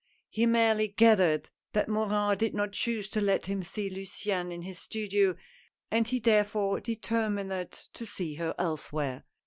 He merely gathered that Morin did not choose to let him see Luciane in his studio, and he therefore determined to see her else where.